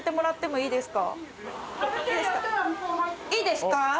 いいですか？